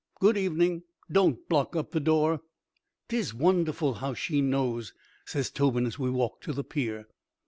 Good evening. Don't block up the door." "'Tis wonderful how she knows," says Tobin as we walk to the pier.